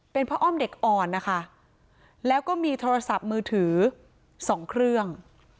เป็นพระอ้อมเด็กอ่อนนะคะแล้วก็มีโทรศัพท์มือถือสองเครื่อง